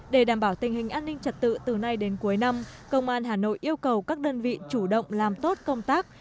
để đảm bảo tình hình an ninh trật tự từ nay đến cuối năm công an hà nội yêu cầu các đơn vị chủ động làm tốt công tác